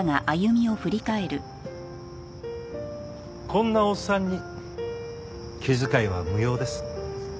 こんなおっさんに気遣いは無用です。